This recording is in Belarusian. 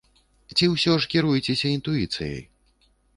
Ці ўсё ж кіруецеся інтуіцыяй?